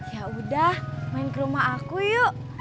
yaudah main ke rumah aku yuk